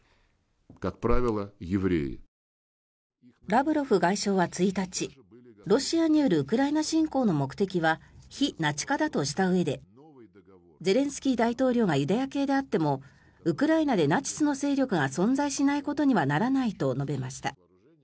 ラブロフ外相は１日ロシアによるウクライナ侵攻の目的は非ナチ化だとしたうえでゼレンスキー大統領がユダヤ系であってもウクライナでナチスの勢力が存在しないことにはならないと述べました。